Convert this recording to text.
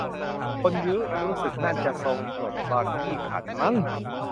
คนเยอะ รู้สึกนั่นจะ ทรงกลด บางยี่ขัน มั๊ง